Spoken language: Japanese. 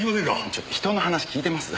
ちょっと人の話聞いてます？